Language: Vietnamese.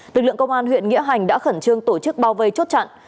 lực lượng công an huyện nghĩa hành đã khẩn trương tổ chức bao vây chốt chặn